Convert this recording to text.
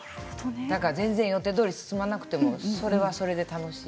だから全然、予定どおりに進まなくてもそれはそれで楽しい。